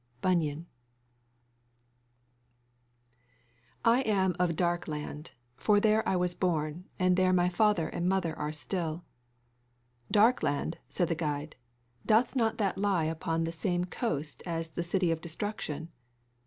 Bunyan. "I am of Dark land, for there was I born, and there my father and mother are still." "Dark land," said the guide; "doth not that lie upon the same coast as the City of Destruction?"